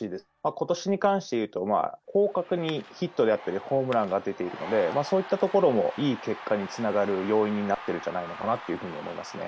ことしに関していうと、広角にヒットで会ったりホームランが出ているので、そういったところもいい結果につながる要因になってるのかなと思いますね。